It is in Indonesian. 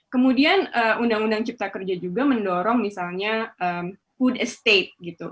kemudian undang undang cipta kerja juga mendorong misalnya food estate gitu